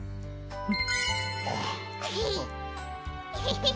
うん！